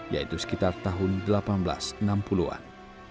yaitu sekitar tahun seribu delapan ratus enam puluh an